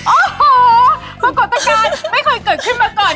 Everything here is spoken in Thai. โอ้โหปรากฏการณ์ไม่เคยเกิดขึ้นมาก่อน